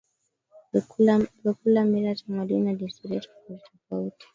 vyakula mila tamaduni na desturi tofauti tofauti